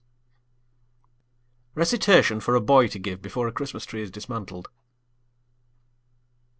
= (Recitation for a boy to give before a Christmas tree is dismantled.)